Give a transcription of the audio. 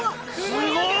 すごい！